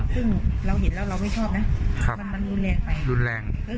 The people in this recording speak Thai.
ซึ่งเราเห็นแล้วเราไม่ชอบนะมันรุนแรงไปรุนแรง